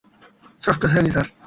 ষষ্ঠ শ্রেণি, স্যার।